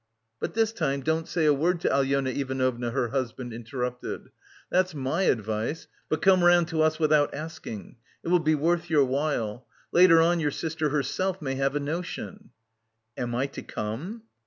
"But this time don't say a word to Alyona Ivanovna," her husband interrupted; "that's my advice, but come round to us without asking. It will be worth your while. Later on your sister herself may have a notion." "Am I to come?"